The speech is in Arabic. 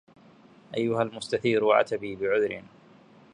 أيها المستثير عتبي بعذر